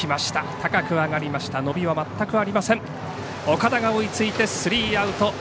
岡田が追いついてスリーアウト。